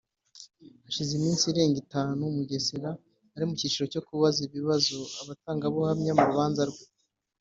Hashize iminsi irenga itanu Mugesera ari mu kiciro cyo kubaza ibibazo abatangabuhamya mu rubanza rwe